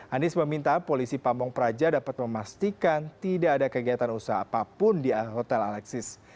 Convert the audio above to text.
anies meminta polisi pamung praja dapat memastikan tidak ada kegiatan usaha apapun di hotel alexis